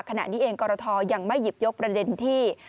ขณะนี้เองกรทยังไม่หยิบยกประเด็นที่